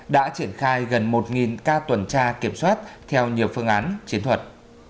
đã triển khai gần một ca tuần tra kiểm soát theo nhiều phương án chiến thuật